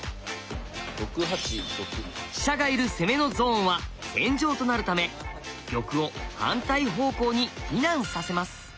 飛車がいる攻めのゾーンは戦場となるため玉を反対方向に避難させます。